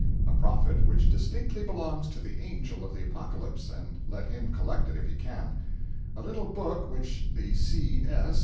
a profit which distinctly belongs to the angel of the Apocalypse, and let him collect it if he can; a 'little book' which the C.S.